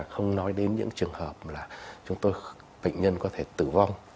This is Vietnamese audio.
không nói đến những trường hợp là chúng tôi bệnh nhân có thể tử vong